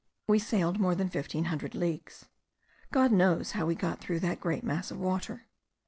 We sailed more than fifteen hundred leagues. God knows how we got through that great mass of water.